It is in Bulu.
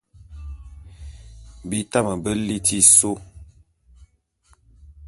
Bi tame be liti sô.